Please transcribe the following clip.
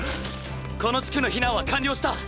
この地区の避難は完了した！